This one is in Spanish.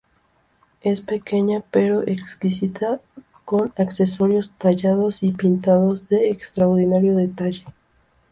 Es pequeña, pero exquisita, con accesorios tallados y pintados, de extraordinario detalle.